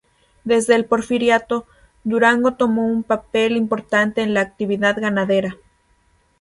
Desde el Porfiriato, Durango tomó un papel importante en la actividad ganadera.